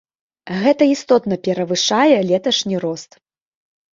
Гэта істотна перавышае леташні рост.